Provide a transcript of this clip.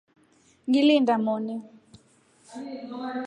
Ngilinda moni.